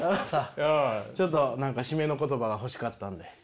ちょっと何か締めの言葉が欲しかったので。